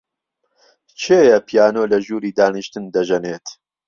کێیە پیانۆ لە ژووری دانیشتن دەژەنێت؟